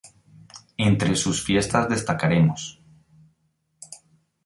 Entre sus fiestas destacaremos.